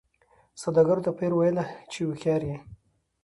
سوداګر ته پیر ویله چي هوښیار یې